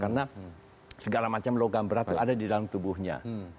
karena segala macam logam berat itu ada di dalam tubuhnya